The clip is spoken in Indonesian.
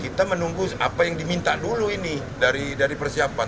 kita menunggu apa yang diminta dulu ini dari persiapan